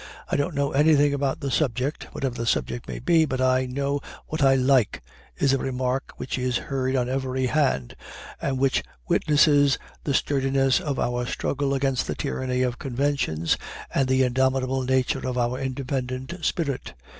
"I don't know anything about the subject (whatever the subject may be), but I know what I like," is a remark which is heard on every hand, and which witnesses the sturdiness of our struggle against the tyranny of conventions and the indomitable nature of our independent spirit.